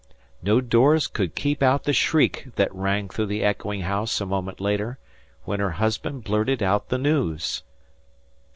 No doors could keep out the shriek that rang through the echoing house a moment later, when her husband blurted out the news.